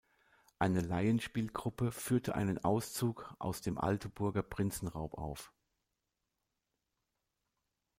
Eine Laienspielgruppe führte einen Auszug aus dem Altenburger Prinzenraub auf.